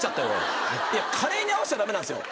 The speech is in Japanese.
カレーに合わせちゃ駄目なんですよ。